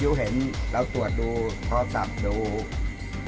ตอนนั้นอ่ะตอนนั้นมีคนสวน